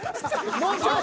もうちょい！